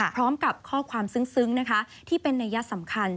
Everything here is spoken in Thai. พร้อมกับข้อความซึ้งนะคะที่เป็นนัยสำคัญ